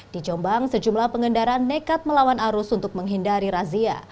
dijombang sejumlah pengendara nekat melawan arus untuk menghindari razia